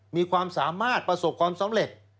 มีความสามารถประสบความสำเร็จ